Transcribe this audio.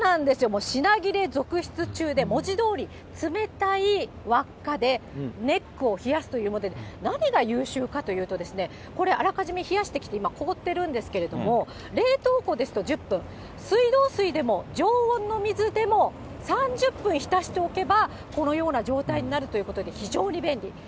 もう、品切れ続出中で、文字どおり、冷たい輪っかでネックを冷やすということで、何が優秀かというとですね、これ、あらかじめ冷やしてきて今、凍ってるんですけれども、冷凍庫ですと１０分、水道水でも常温の水でも３０分浸しておけば、このような状態になるということで、非常に便利。